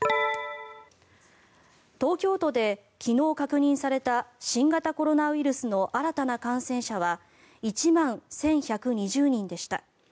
東京都で昨日確認された新型コロナウイルスの新たな感染者は１万１１２０人でした。